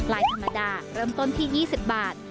ธรรมดาเริ่มต้นที่๒๐บาท